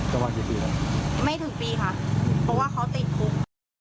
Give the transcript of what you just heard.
ประมาณกี่ปีแล้วไม่ถึงปีค่ะเพราะว่าเขาติดคุก